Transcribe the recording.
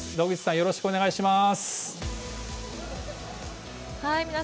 よろしくお願いします。